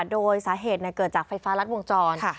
โดยสาเหตุเกิดจากไฟฟ้ารัดวงจร